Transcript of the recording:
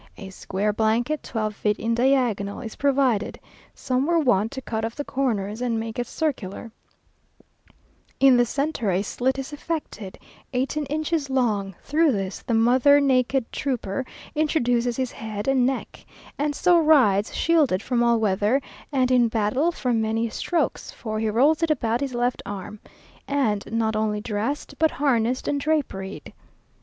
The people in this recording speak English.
A square blanket, twelve feet in diagonal, is provided, (some were wont to cut off the corners, and make it circular;) in the centre a slit is effected, eighteen inches long; through this the mother naked trooper introduces his head and neck; and so rides, shielded from all weather, and in battle from many strokes (for he rolls it about his left arm); and not only dressed, but harnessed and draperied."